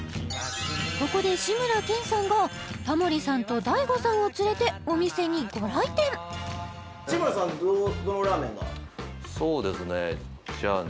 ここで志村けんさんがタモリさんと大悟さんを連れてお店にご来店そうですねじゃあね